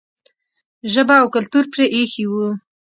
ژبه او کلتور پرې ایښی و.